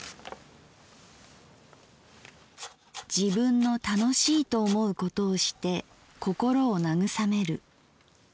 「自分の楽しいと思うことをして心を慰める。